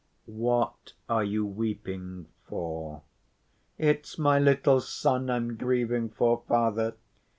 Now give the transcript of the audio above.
"What are you weeping for?" "It's my little son I'm grieving for, Father.